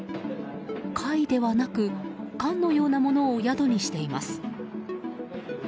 貝ではなく、缶のようなものを宿にしています。